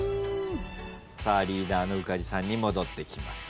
リーダーの宇梶さんに戻ってきます。